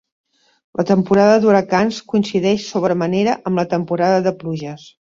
La temporada d'huracans coincideix sobre manera amb la temporada de pluges.